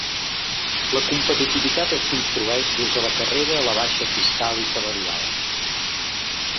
La competitivitat es construeix des de la carrera a la baixa fiscal i salarial.